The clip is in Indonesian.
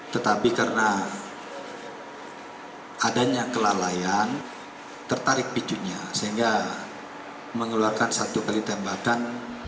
tetapi karena adanya kelalaian tertarik picunya sehingga mengeluarkan satu kali tembakan